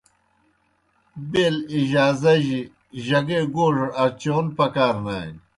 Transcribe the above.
بیل اجازہ جیْ جگے گوڙ اچون پکار نانیْ۔